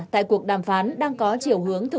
tại cuộc đàm phán đang có chiều huyết